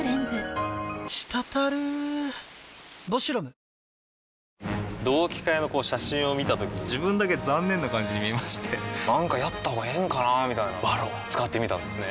パワーカーブ⁉同期会の写真を見たときに自分だけ残念な感じに見えましてなんかやったほうがええんかなーみたいな「ＶＡＲＯＮ」使ってみたんですね